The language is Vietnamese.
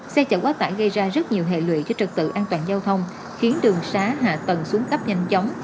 xe chở quá tải gây ra rất nhiều hệ lụy cho trực tự an toàn giao thông khiến đường xá hạ tầng xuống cấp nhanh chóng